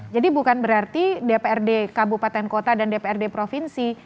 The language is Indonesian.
jadi bukan berarti dprd kabupaten kota dan dprd provinsi